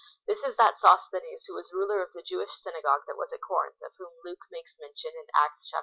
This is that Sosthenes who was ruler of the Jewish synagogue that was at Corinth, of whom Luke makes mention in Acts xviii.